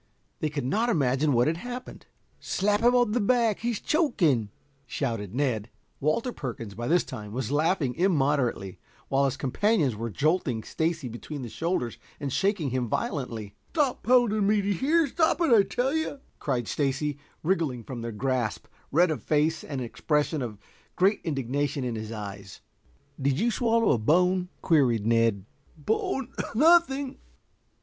They could not imagine what had happened. "Slap him on the back, he's choking," shouted Ned. Walter Perkins, by this time, was laughing immoderately, while his companions were jolting Stacy between the shoulders and shaking him violently. "Stop pounding me, d'ye hear? Stop it, I tell you," cried Stacy, wriggling from their grasp, red of face, an expression of great indignation in his eyes. "Did you swallow a bone?" queried Ned. "Bone nothing."